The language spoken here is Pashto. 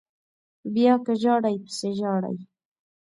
بیا که ژاړئ پسې ژاړئ